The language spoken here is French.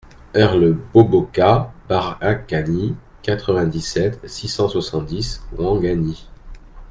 RLE BOBOKA - BARAKANI, quatre-vingt-dix-sept, six cent soixante-dix Ouangani